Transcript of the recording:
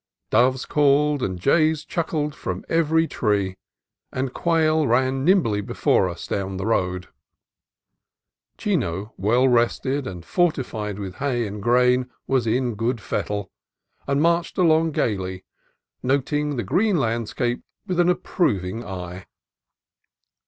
Doves called and jays chuckled from every tree, and quail ran nimbly before us down the road. Chino, well rested and fortified THE XOJOGUI WATERFALL 103 with hay and grain, was in good fettle, and marched along gaily, noting the green landscape with an approving eye.